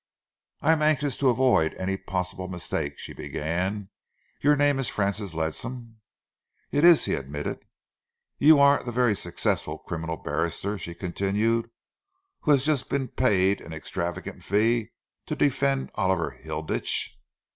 "I am anxious to avoid any possible mistake," she began. "Your name is Francis Ledsam?" "It is," he admitted. "You are the very successful criminal barrister," she continued, "who has just been paid an extravagant fee to defend Oliver Hilditch."